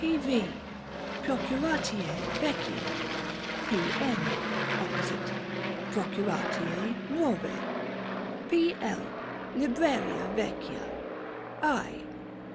P. V. Procuratie Vecchie. P. N. (opposite) Procuratie Nuove. P. L. Libreria Vecchia. I.